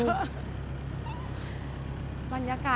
เที่ยวซะเลย